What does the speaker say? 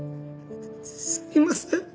すみません。